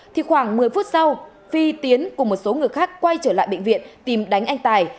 thì khoảng một mươi phút sau phi tiến cùng một số người khác quay trở lại bệnh viện tìm đánh anh tài